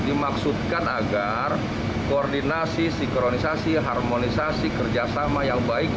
dimaksudkan agar koordinasi sinkronisasi harmonisasi kerjasama yang baik